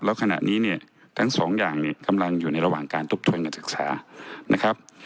แล้วขณะนี้เนี่ยทั้งสองอย่างเนี่ยกำลังอยู่ในระหว่างการทบทวนการศึกษานะครับ